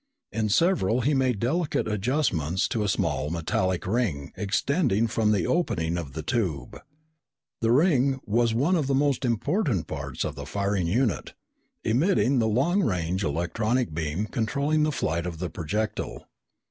In several he made delicate adjustments to a small metallic ring extending from the opening of the tube. The ring was one of the most important parts of the firing unit, emitting the long range electronic beam controlling the flight of the projectile.